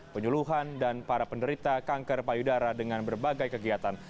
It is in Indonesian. penyuluhan dan para penderita kanker payudara dengan berbagai kegiatan